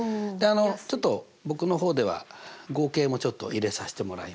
ちょっと僕の方では合計も入れさせてもらいました。